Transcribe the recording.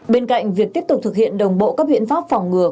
bên cạnh việc tiếp tục thực hiện đồng bộ các biện pháp phòng ngừa